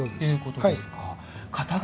いうことですか。